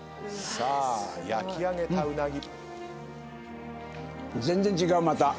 さあ焼き上げたうなぎ。